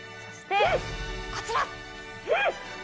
そしてこちら！